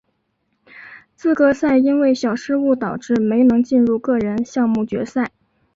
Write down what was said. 资格赛因为小失误导致没能进入个人项目决赛。